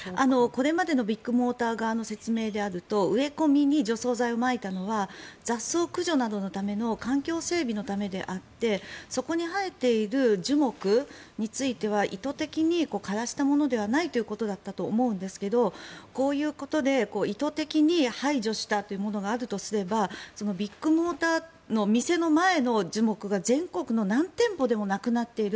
これまでのビッグモーター側の説明であると植え込みに除草剤をまいたのは雑草駆除などの環境整備のためであってそこに生えている樹木については意図的に枯らしたものではないということだったと思うんですけどこういうことで意図的に排除したということがあるとするとビッグモーターの店の前の樹木が全国の何店舗でもなくなっている。